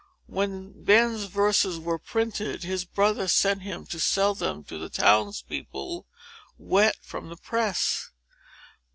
When Ben's verses were printed, his brother sent him to sell them to the town's people, wet from the press.